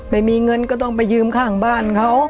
ไม่มีเงินก็ต้องไปยืมข้างบ้านเขา